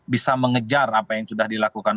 bisa mengejar apa yang sudah dilakukan